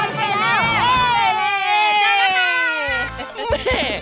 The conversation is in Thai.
เจอแล้วค่ะ